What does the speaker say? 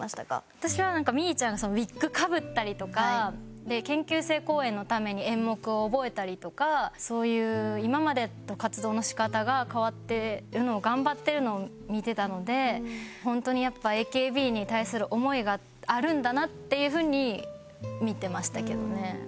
私はなんかみぃちゃんがウィッグかぶったりとか研究生公演のために演目を覚えたりとかそういう今までと活動の仕方が変わってるのを頑張ってるのを見てたので本当にやっぱＡＫＢに対する思いがあるんだなっていう風に見てましたけどね。